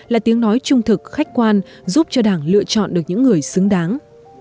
là tiếng nói trung thực khách quan giúp cho đảng lựa chọn được những người xứng đáng